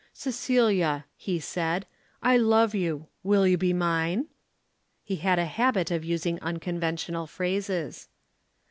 "Cecilia," he said, "I love you. Will you be mine?" He had a habit of using unconventional phrases.